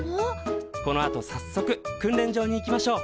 このあとさっそく訓練場に行きましょう。